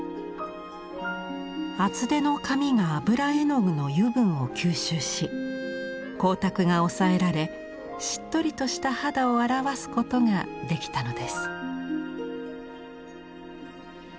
厚手の紙が油絵の具の油分を吸収し光沢が抑えられしっとりとした肌を表すことができたのです。